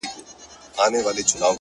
• ستا د کتاب د ښوونځیو وطن,